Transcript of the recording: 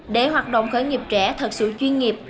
để hoạt động khởi nghiệp trẻ thật sự chuyên nghiệp